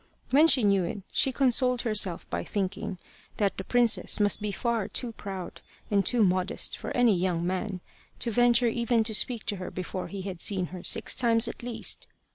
When she knew it, she consoled herself by thinking that the princess must be far too proud and too modest for any young man to venture even to speak to her before he had seen her six times at least.